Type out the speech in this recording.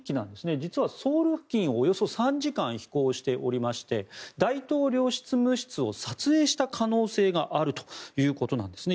実は、ソウル付近をおよそ３時間飛行しておりまして大統領執務室を撮影した可能性があるということなんですね。